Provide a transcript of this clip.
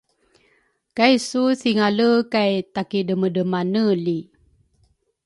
kaisu thingale kay takidremadremaneli.